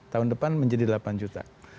tahun depan menjadi delapan juta